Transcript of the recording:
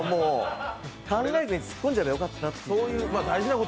考えずに突っ込んじゃえばよかったなと。